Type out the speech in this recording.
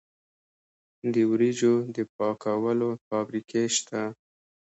د وریجو د پاکولو فابریکې شته.